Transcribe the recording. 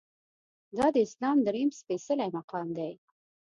دا د اسلام درېیم سپیڅلی مقام دی.